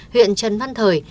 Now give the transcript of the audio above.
huyện trần văn thời